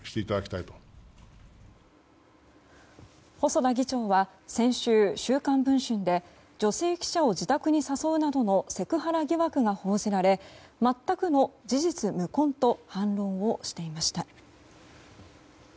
細田議長は先週、「週刊文春」で女性記者を自宅に誘うなどのセクハラ疑惑が報じられ全くの事実無根と反論をしていました。